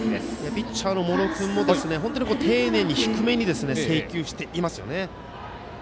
ピッチャーの茂呂君も丁寧に低めに制球していますよね。